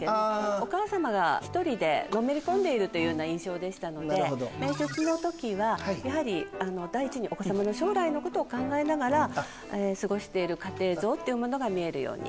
お母様が１人でのめり込んでいる印象でしたので面接の時は第一にお子様の将来のことを考えながら過ごしている家庭像が見えるように。